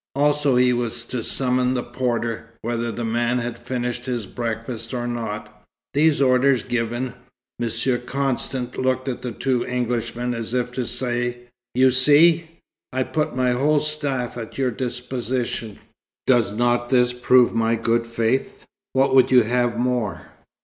Also he was to summon the porter, whether that man had finished his breakfast or not. These orders given, Monsieur Constant looked at the two Englishmen as if to say, "You see! I put my whole staff at your disposition. Does not this prove my good faith? What would you have more?"